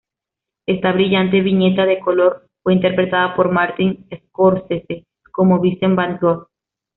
Esta brillante viñeta de color fue interpretada por Martin Scorsese como Vincent van Gogh.